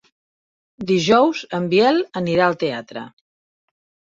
Dijous en Biel anirà al teatre.